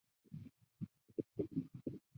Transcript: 天蓝丛蛙区被发现。